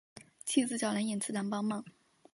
妻子来找寅次郎帮忙。